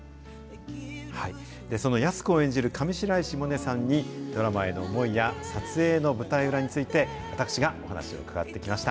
その安子を演じる上白石萌音さんにドラマへの思いや撮影の舞台裏について、私がお話を伺ってきました。